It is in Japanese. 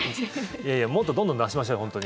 もっとどんどん出しましょうよ本当に。